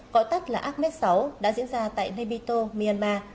gọi tắt là acmed sáu đã diễn ra tại nebito myanmar